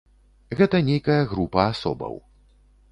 Гэта нейкая група асобаў.